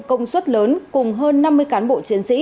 công suất lớn cùng hơn năm mươi cán bộ chiến sĩ